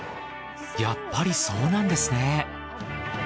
やっぱりそうなんですね。